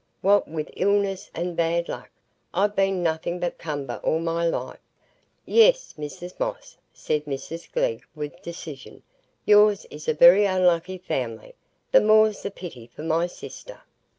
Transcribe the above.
What with illness and bad luck, I've been nothing but cumber all my life." "Yes, Mrs Moss," said Mrs Glegg, with decision, "yours is a very unlucky family; the more's the pity for my sister."